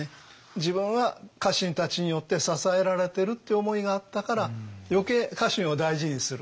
自分は家臣たちによって支えられてるって思いがあったから余計家臣を大事にする。